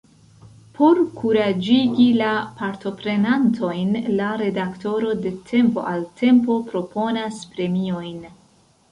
Por kuraĝigi la partoprenantojn, la redaktoro de tempo al tempo proponas premiojn.